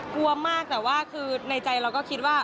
กลัวมากแต่ว่าคือในใจเราก็คิดว่า